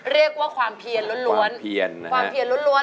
เรียกว่าความเพียนล้วน